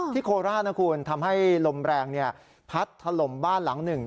ที่โคลาทำให้ลมแรงพัดถล่มบ้านหลังหนึ่ง